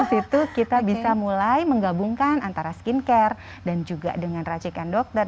di situ kita bisa mulai menggabungkan antara skincare dan juga dengan racikan dokter